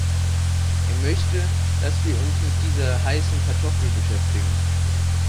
Er möchte, dass wir uns mit dieser heißen Kartoffel beschäftigen.